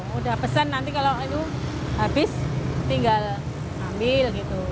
sudah pesan nanti kalau itu habis tinggal ambil gitu